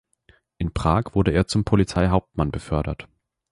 In Prag wurde er zum Polizeihauptmann befördert.